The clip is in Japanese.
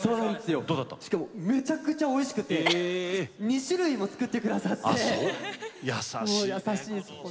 めちゃくちゃおいしくて２種類も作ってくださって本当に優しいです。